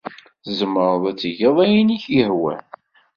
Tzemreḍ ad tgeḍ ayen i k-yehwan.